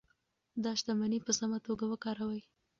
دا شتمني په سمه توګه وکاروئ.